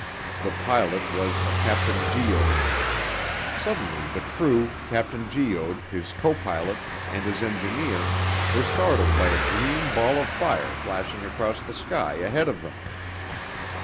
The pilot was a Captain Goede. Suddenly the crew, Captain Goede, his co pilot, and his engineer were startled by a green ball of fire flashing across the sky ahead of them.